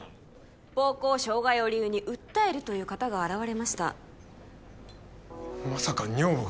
暴行・傷害を理由に訴えるという方が現れましたまさか女房が？